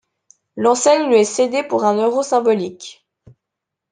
L'enseigne lui est cédée pour un euro symbolique.